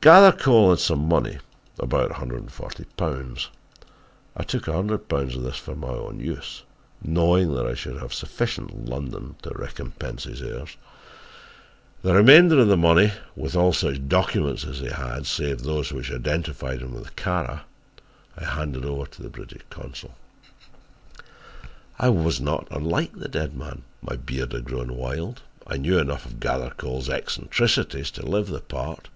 "Gathercole had some money, about 140 pounds I took 100 pounds of this for my own use, knowing that I should have sufficient in London to recompense his heirs, and the remainder of the money with all such documents as he had, save those which identified him with Kara, I handed over to the British Consul. "I was not unlike the dead man. My beard had grown wild and I knew enough of Gathercole's eccentricities to live the part.